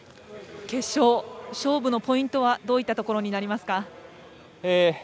決勝、勝負のポイントはどういったところになりますか。